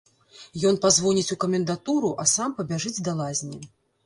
Ён пазвоніць у камендатуру, а сам пабяжыць да лазні.